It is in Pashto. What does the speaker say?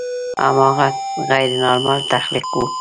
هماغه غیر نارمل تخلیق و.